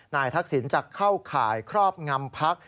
นายทักศิลป์จะเข้าข่ายครอบงำพัก